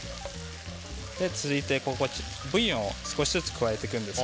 続いてブイヨンを少しずつ加えていきます。